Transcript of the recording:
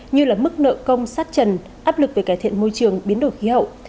như là mức nợ công sát trần áp lực về cải thiện môi trường biến đổi khí hậu